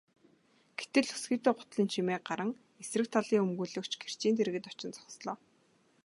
Гэтэл өсгийтэй гутлын чимээ гаран эсрэг талын өмгөөлөгч гэрчийн дэргэд очин зогслоо.